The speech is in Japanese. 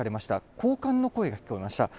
好感の声が聞かれました。